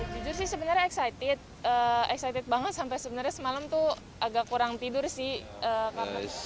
jujur sih sebenarnya excited excited banget sampai sebenarnya semalam tuh agak kurang tidur sih